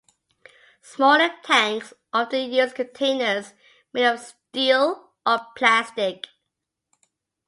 Smaller tanks often use containers made of steel or plastic.